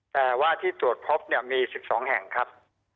แต่ว่าที่ตรวจพบเนี่ยมี๑๒แห่งครับ